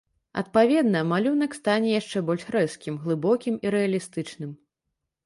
Адпаведна, малюнак стане яшчэ больш рэзкім, глыбокім і рэалістычным.